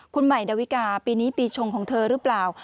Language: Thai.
คุณใหม่ดาวิกาปีนี้ปีชงของเธอหรือเปล่า